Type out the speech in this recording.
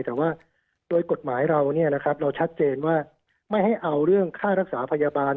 แต่ว่าโดยกฎหมายเราเราชัดเจนว่าไม่ให้เอาเรื่องค่ารักษาพยาบาล